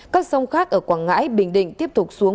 các sông khác ở quảng ngãi bình định tiếp tục xuống